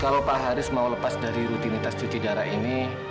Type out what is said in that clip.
kalau pak haris mau lepas dari rutinitas cuci darah ini